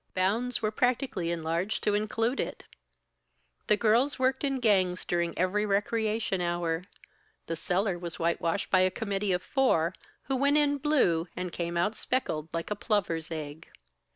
Bounds were practically enlarged to include it. The girls worked in gangs during every recreation hour. The cellar was whitewashed by a committee of four, who went in blue, and came out speckled like a plover's egg.